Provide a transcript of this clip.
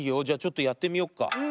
じゃちょっとやってみよっか。